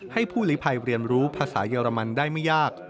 ให้ผู้หลีภัยเรียนรู้ภาษาเยอรมันได้ไม่ยาก